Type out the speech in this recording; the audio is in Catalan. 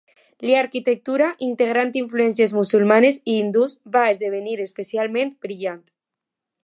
L'arquitectura, integrant influències musulmanes i hindús, va esdevenir especialment brillant.